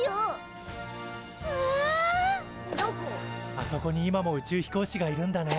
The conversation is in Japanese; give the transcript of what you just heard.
あそこにも今も宇宙飛行士がいるんだね。